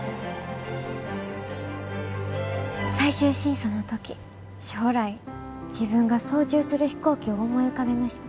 最終審査の時将来自分が操縦する飛行機を思い浮かべました。